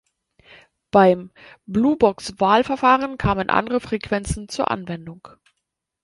Beim Blue Box-Wahlverfahren kamen andere Frequenzen zur Anwendung.